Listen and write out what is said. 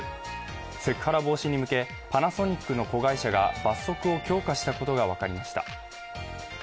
セクハラ防止に向け、パナソニックの子会社が罰則を強化したことが分かりました。